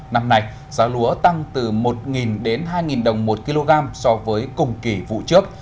năm nay giá lúa tăng từ một đến hai đồng một kg so với cùng kỳ vụ trước